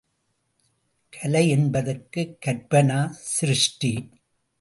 கலை என்பதற்கு கற்பனா சிருஷ்டி.